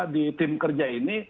di tim kerja ini